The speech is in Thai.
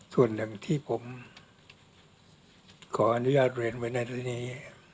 ส่วนหนึ่งที่ผมขออนุญาตเรียนไว้ในเรื่องนี้